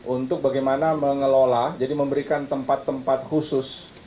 untuk bagaimana mengelola jadi memberikan tempat tempat khusus